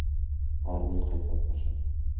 Алар муну кантип аткарышат?